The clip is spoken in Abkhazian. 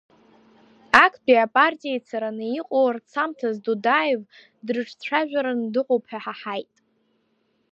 Актәи апартиа ицараны иҟоу, рцамҭаз Дудаев дрыҿцәажәараны дыҟоуп ҳәа ҳаҳаит.